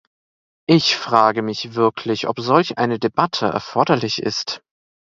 Ich frage mich wirklich, ob solch eine Debatte erforderlich ist.